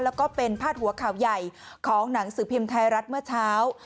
แล้วก็เป็นพาดหัวข่าวใหญ่ของหนังสือพิมพ์ไทยรัฐเมื่อเช้า